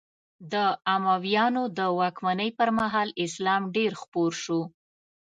د امویانو د واکمنۍ پر مهال اسلام ډېر خپور شو.